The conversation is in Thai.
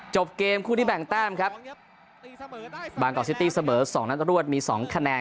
จบเกมคู่ที่แบ่งแต้มครับบางกอกซิตี้เสมอสองนัดรวดมีสองคะแนน